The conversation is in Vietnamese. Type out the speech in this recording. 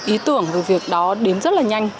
ý tưởng về việc đó đến rất là nhanh